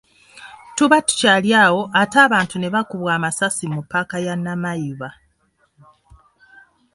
Tuba tukyali awo ate abantu ne bakubwa amasasi mu ppaaka ya Namayiba